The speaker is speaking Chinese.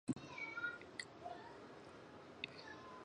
这在其他同属蠓科的物种当中实属罕见。